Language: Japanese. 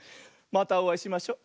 またおあいしましょ。